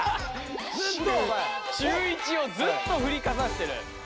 中１をずっとふりかざしてる。